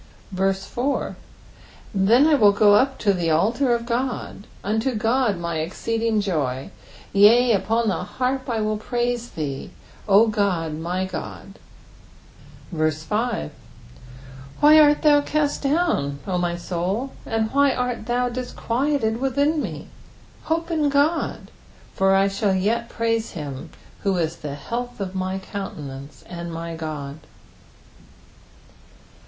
4 Then will I go unto the altar of God, unto God my exceeding joy : yea, upon the harp will I praise thee, O God my God. b/Goc^lc 326 EXPOSITIONS OF THB PSAIJI3. 5 Why art thou cast down, O my soul? and why art thou disquieted within me ? hope in God ; for I shall yet praise him, who is the health of my countenance, and my God.